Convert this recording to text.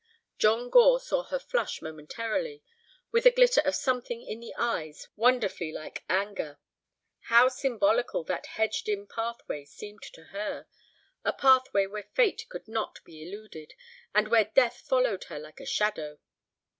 John Gore saw her flush momentarily, with a glitter of something in the eyes wonderfully like anger. How symbolical that hedged in pathway seemed to her—a pathway where fate could not be eluded, and where death followed her like a shadow!